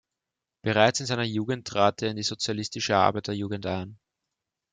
Bereits in seiner Jugend trat er in die Sozialistische Arbeiterjugend ein.